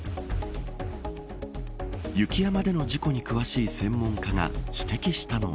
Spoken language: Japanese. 雪山での事故に詳しい専門家が指摘したのは。